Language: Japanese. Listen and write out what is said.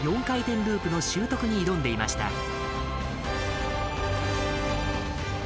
４回転ループの習得に挑んでいました。